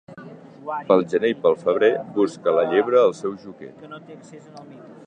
Pel gener i pel febrer busca la llebre el seu joquer.